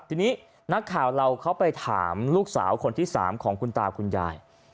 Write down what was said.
ทีนี้นักข่าวเราเข้าไปถามลูกสาวคนที่๓ของคุณตาคุณยาย